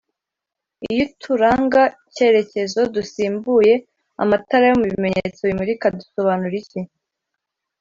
iyo uturanga cyerekezo dusimbuye amatara yo mubimenyetso bimurika dusobanura iki